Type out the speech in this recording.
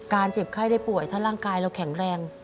เจ็บไข้ได้ป่วยถ้าร่างกายเราแข็งแรง